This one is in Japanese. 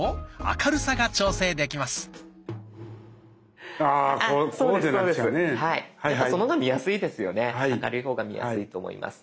明るい方が見やすいと思います。